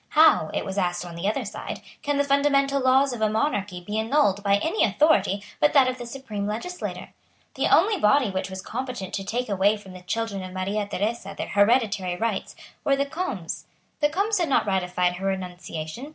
How, it was asked on the other side, can the fundamental laws of a monarchy be annulled by any authority but that of the supreme legislature? The only body which was competent to take away from the children of Maria Theresa their hereditary rights was the Comes. The Comes had not ratified her renunciation.